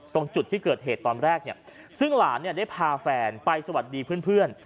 ตรงจุดที่เกิดเหตุตอนแรกเนี่ยซึ่งหลานได้พาแฟนไปสวัสดีเพื่อน